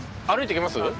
歩いて行けます？